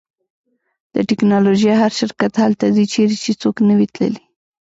د ټیکنالوژۍ هر شرکت هلته ځي چیرې چې څوک نه وي تللی